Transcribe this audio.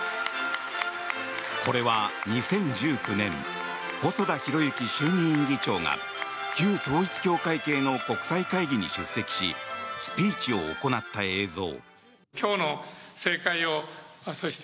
これは２０１９年細田博之衆議院議長が旧統一教会系の国際会議に出席しスピーチを行った映像。